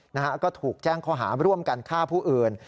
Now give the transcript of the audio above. นะฮะก็ถูกแจ้งข้อหาร่วมกันฆ่าผู้อื่น